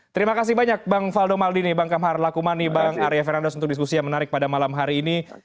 terima kasih banyak bang faldo maldini bang kamhar lakumani bang arya fernandos untuk diskusi yang menarik pada malam hari ini